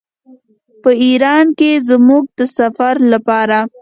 په ایران کې زموږ د سفر لپاره.